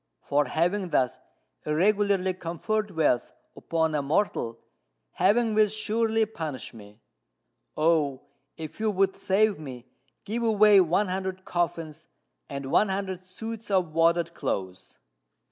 For having thus irregularly conferred wealth upon a mortal, Heaven will surely punish me. Oh, if you would save me, give away one hundred coffins and one hundred suits of wadded clothes."